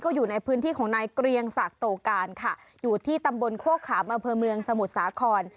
อยู่ในพื้นที่ของนายเกรียงศักดิ์โตการค่ะอยู่ที่ตำบลโคกขามอำเภอเมืองสมุทรสาคร